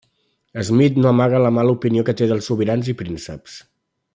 Smith no amaga la mala opinió que té dels sobirans i prínceps.